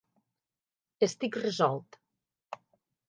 Estic resolt.